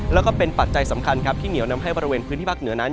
แล้วก็เป็นปัจจัยสำคัญครับที่เหนียวนำให้บริเวณพื้นที่ภาคเหนือนั้น